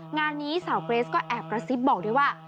งานนี้สาวเกรสก็แอบกระซิบบอกด้วยว่า